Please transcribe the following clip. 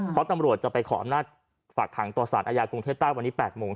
เพราะตำรวจจะไปขออำนาจฝากขังต่อสารอาญากรุงเทพใต้วันนี้๘โมง